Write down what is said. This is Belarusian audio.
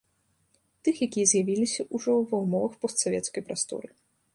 Тых, якія з'явіліся ўжо ва ўмовах постсавецкай прасторы.